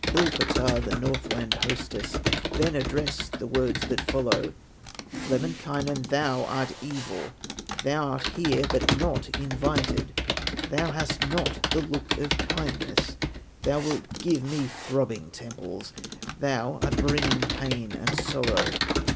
Ilpotar, the Northland hostess, Then addressed the words that follow: "Lemminkainen, thou art evil, Thou art here, but not invited, Thou hast not the look of kindness, Thou wilt give me throbbing temples, Thou art bringing pain and sorrow.